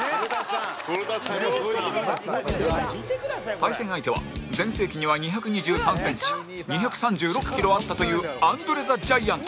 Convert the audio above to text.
対戦相手は全盛期には２２３センチ２３６キロあったというアンドレ・ザ・ジャイアント